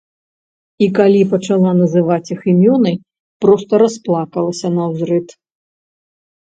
І калі пачала называць іх імёны, проста расплакалася наўзрыд.